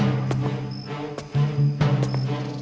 aku akan menyerah